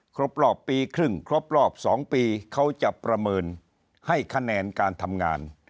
ครบรอบปีครึ่งครบรอบ๒ปีเขาจะประเมินให้คะแนนการทำงาน